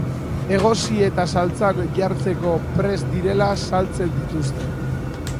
Egosi eta saltsan jartzeko prest direla saltzen dituzte.